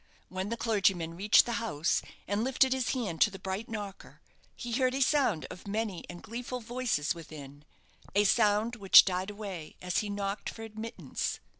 When the clergyman reached the house, and lifted his hand to the bright knocker, he heard a sound of many and gleeful voices within a sound which died away as he knocked for admittance.